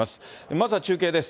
まずは中継です。